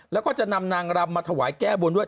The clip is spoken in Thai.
แล้วก็จะนำนางรำมาถวายแก้บนด้วย